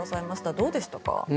どうでしたか？